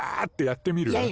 ッてやってみる？